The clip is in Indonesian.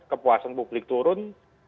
kepuasan publik turun